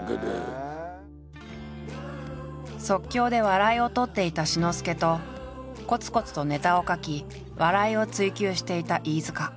即興で笑いを取っていた志の輔とコツコツとネタを書き笑いを追求していた飯塚。